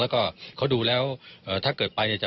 แล้วก็เขาดูแล้วถ้าเกิดไปเนี่ย